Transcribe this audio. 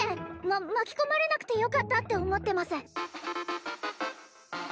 ま巻き込まれなくてよかったって思ってます